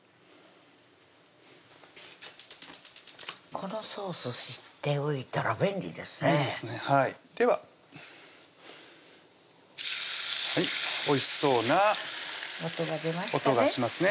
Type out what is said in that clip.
このソース知っておいたら便利ですねではおいしそうな音がしますね